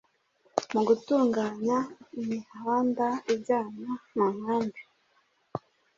mugutunganya imihanda ijyana munkambi